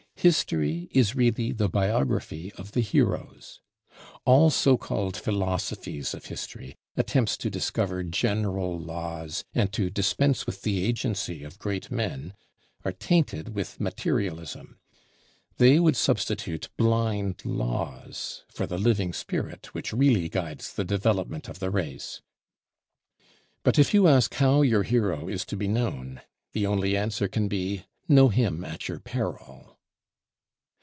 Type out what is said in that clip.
History is really the biography of the heroes. All so called philosophies of history, attempts to discover general laws and to dispense with the agency of great men, are tainted with materialism. They would substitute "blind laws" for the living spirit which really guides the development of the race. But if you ask how your hero is to be known, the only answer can be, Know him at your peril.